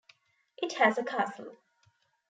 It has a castle.